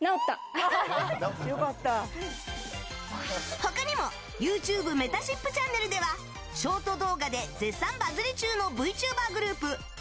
他にも、ＹｏｕＴｕｂｅ「めたしっぷチャンネル」ではショート動画で絶賛バズり中のＶＴｕｂｅｒグループあ